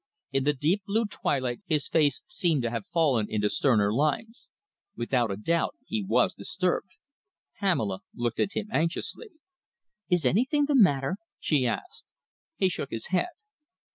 In the deep blue twilight his face seemed to have fallen into sterner lines. Without a doubt he was disturbed. Pamela looked at him anxiously. "Is anything the matter?" she asked. He shook his head.